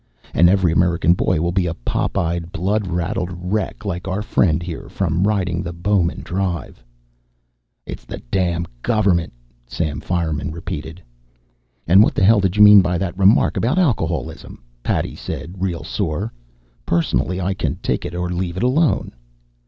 And every American boy will be a pop eyed, blood raddled wreck, like our friend here, from riding the Bowman Drive." "It's the damn govermint," Sam Fireman repeated. "And what the hell did you mean by that remark about alcoholism?" Paddy said, real sore. "Personally, I can take it or leave it alone."